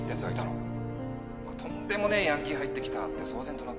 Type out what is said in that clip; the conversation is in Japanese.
とんでもねえヤンキー入ってきたって騒然となってさ。